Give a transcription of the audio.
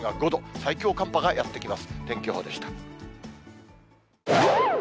最強寒波がやって来ます。